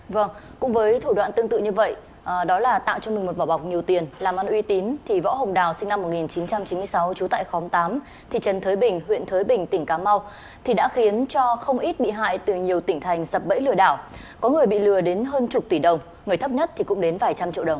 vâng cũng với thủ đoạn tương tự như vậy